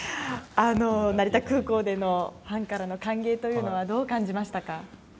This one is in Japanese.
成田空港でのファンからの歓迎というのはどう感じましたか？